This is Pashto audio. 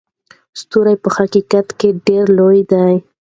ستوري په حقیقت کې ډېر لوی دي.